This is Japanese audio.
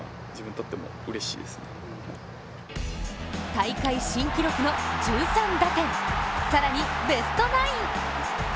大会新記録の１３打点、更にベストナイン。